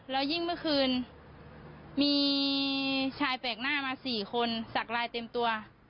แล้วยิ่งเมื่อคืนมีชายแปลกหน้ามา๔คนสักลายเต็มตัว